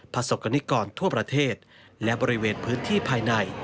ประสบกรณิกรทั่วประเทศและบริเวณพื้นที่ภายใน